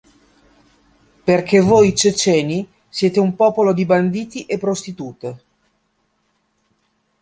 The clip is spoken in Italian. Perché voi ceceni siete un popolo di banditi e prostitute".